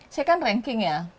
saya kan ranking ya